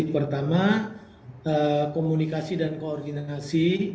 pertama komunikasi dan koordinasi